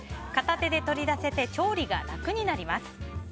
片手で取り出せて調理が楽になります。